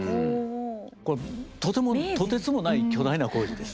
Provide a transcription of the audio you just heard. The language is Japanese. これとてもとてつもない巨大な工事です。